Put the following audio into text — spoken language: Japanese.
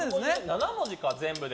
７文字か、全部で。